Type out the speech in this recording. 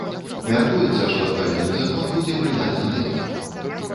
Мяркуецца, што адпаведны закон будзе прыняты налета.